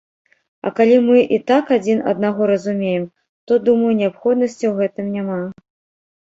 А калі мы і так адзін аднаго разумеем, то, думаю, неабходнасці ў гэтым няма.